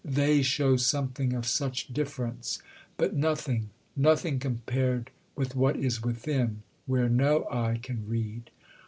they show something of such difference, but nothing, nothing compared with what is within, where no eye can read.